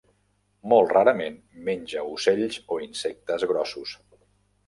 Molt rarament menja ocells o insectes grossos.